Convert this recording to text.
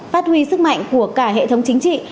phát huy sức mạnh của cả hệ thống chính trị